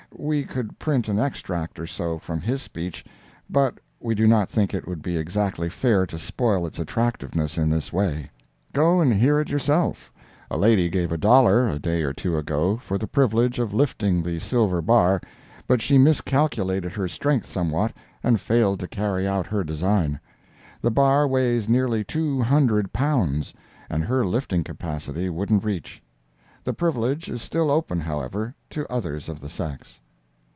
We could print an extract or so from his speech, but we do not think it would be exactly fair to spoil its attractiveness in this way. Go and hear it yourself. A lady gave a dollar, a day or two ago, for the privilege of lifting the silver bar, but she miscalculated her strength somewhat, and failed to carry out her design. The bar weighs nearly two hundred pounds, and her lifting capacity wouldn't reach. The privilege is still open, however, to others of the sex.